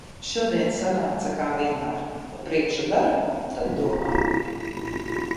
Šodien sanāca kā vienmēr - pa priekšu dara, tad domā.